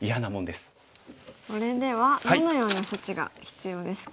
それではどのような処置が必要ですか？